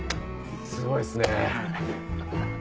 すごいっすね。